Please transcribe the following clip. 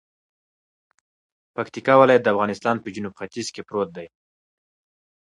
پکتیکا ولایت دافغانستان په جنوب ختیځ کې پروت دی